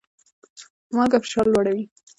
مالګه فشار لوړوي